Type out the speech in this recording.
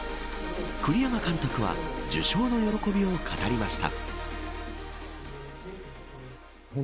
栗山監督は受章の喜びを語りました。